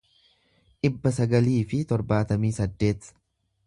dhibba sagalii fi torbaatamii saddeet